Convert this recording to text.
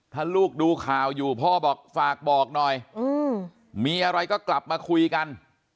ถ้าลูกดูข่าวอยู่พ่อบอกฝากบอกหน่อยมีอะไรก็กลับมาคุยกัน